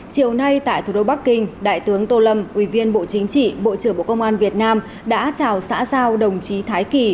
chiều nay tại thủ đô bắc kinh đại tướng tô lâm ủy viên bộ chính trị bộ trưởng bộ công an việt nam đã chào xã giao đồng chí thái kỳ